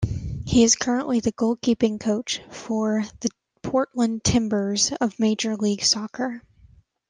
He is currently the goalkeeping coach for the Portland Timbers of Major League Soccer.